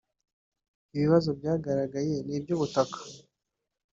Ibibazo byagaragaye ni iby’ubutaka